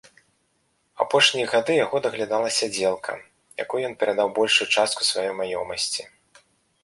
Апошнія гады яго даглядала сядзелка, якой ён перадаў большую частку сваёй маёмасці.